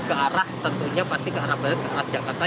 ke arah tentunya pasti ke arah jakarta